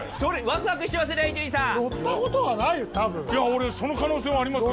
俺その可能性はありますよ。